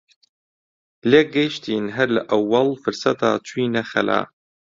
لێک گەیشتین هەر لە ئەووەڵ فرسەتا چووینە خەلا